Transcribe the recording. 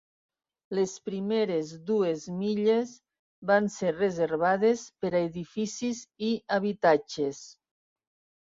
Les primeres dues milles van ser reservades per a edificis i habitatges.